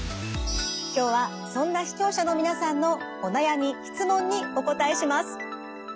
今日はそんな視聴者の皆さんのお悩み質問にお答えします。